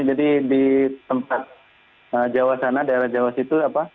jadi di tempat jawa sana daerah jawa situ